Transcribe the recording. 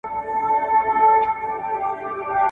ده د تاريخ لپاره سپک بار پرېښود.